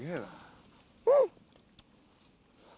うん。